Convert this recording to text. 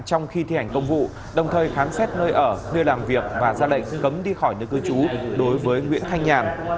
hành công vụ đồng thời khám xét nơi ở nơi làm việc và ra lệnh cấm đi khỏi nước cư trú đối với nguyễn thanh nhàn